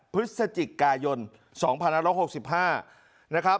พฤษจิกายนสองพันธุ์อันรกหกสิบห้านะครับ